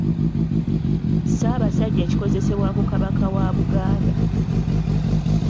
Ssaabasajja kikozesebwa ku Kabaka wa Buganda